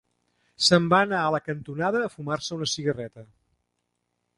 Se'n va anar a la cantonada a fumar-se una cigarreta.